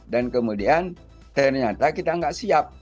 dan kemudian ternyata kita nggak siap